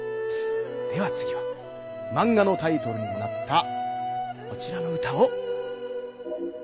ではつぎはマンガのタイトルにもなったこちらの歌をどうぞ。